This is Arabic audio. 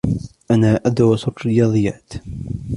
أنا أدرس الرياضيات.